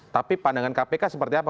tapi pandangan kpk seperti apa